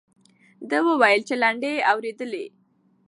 دوی وویل چې لنډۍ یې اورېدلې.